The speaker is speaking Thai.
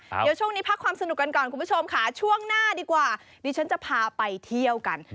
เดี๋ยวช่วงนี้พักความสนุกกันก่อนคุณผู้ชมค่ะช่วงหน้าดีกว่าดิฉันจะพาไปเที่ยวกัน